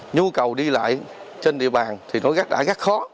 nhu cầu đi lại trên địa bàn thì nó đã rất khó